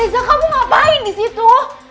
reza kamu ngapain disitu